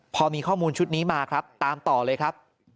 พอมีข้อมูลชุดนี้มาครับตามต่อเลยครับ